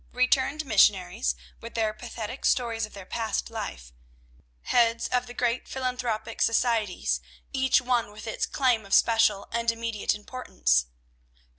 Returned missionaries, with their pathetic stories of their past life. Heads of the great philanthropic societies, each one with its claim of special and immediate importance.